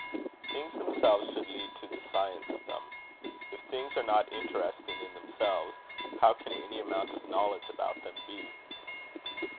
Things themselves should lead to the science of them. If things are not interesting in themselves, how can any amount of knowledge about them be?